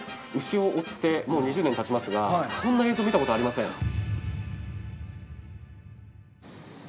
牛を追ってもう２０年たちますがこんな映像見たことありません。